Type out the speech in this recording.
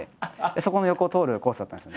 そこの横を通るコースだったんです。